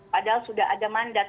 padahal sudah ada mandat